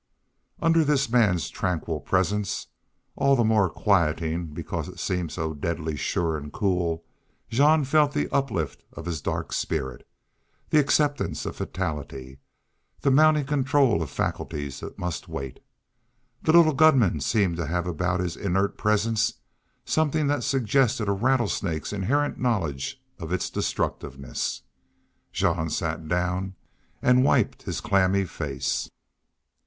Under this man's tranquil presence, all the more quieting because it seemed to be so deadly sure and cool, Jean felt the uplift of his dark spirit, the acceptance of fatality, the mounting control of faculties that must wait. The little gunman seemed to have about his inert presence something that suggested a rattlesnake's inherent knowledge of its destructiveness. Jean sat down and wiped his clammy face.